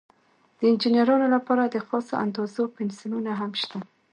د انجینرانو لپاره د خاصو اندازو پنسلونه هم شته.